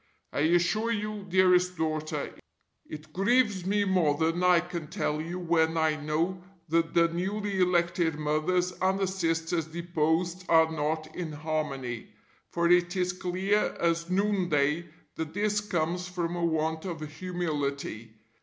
I assure you, dearest daughter, it grieves me more than I can tell you when I know that the newly elected Mothers and the Sisters deposed are not in harmony; for it is clear as noon day that this comes from a want of humility.